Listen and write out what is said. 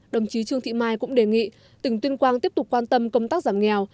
đồng chí trương thị mai cũng đề nghị tỉnh tuyên quang tiếp tục quan tâm công tác giảm nghèo